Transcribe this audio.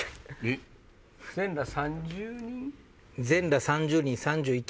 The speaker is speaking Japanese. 全裸３０人？